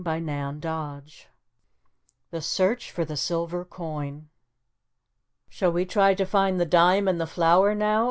CHAPTER VII THE SEARCH FOR THE SILVER COIN "Shall we try to find the dime in the flour now?"